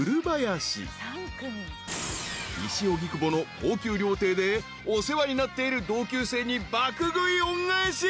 ［西荻窪の高級料亭でお世話になっている同級生に爆食い恩返し］